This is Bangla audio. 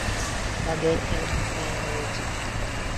তাদের এক মেয়ে রয়েছে।